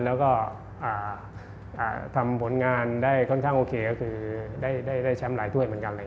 แล้วก็ทำผลงานได้ค่อนข้างโอเคก็คือได้แชมป์หลายถ้วยเหมือนกัน